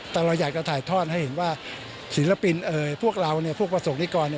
แต่เราอยากจะถ่ายทอดให้เห็นว่าศิลปินพวกเราพวกประสบนิกร